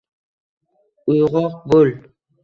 Uyg’ok bo’l